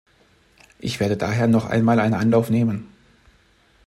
Ich werde daher noch einmal einen Anlauf nehmen.